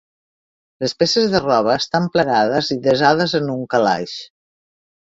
Les peces de roba estan plegades i desades en un calaix.